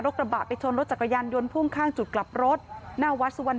กระบะไปชนรถจักรยานยนต์พ่วงข้างจุดกลับรถหน้าวัดสุวรรณ